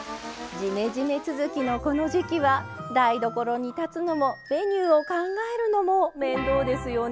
ジメジメ続きのこの時期は台所に立つのもメニューを考えるのも面倒ですよね。